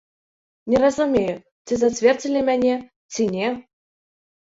Не разумею, ці зацвердзілі мяне, ці не.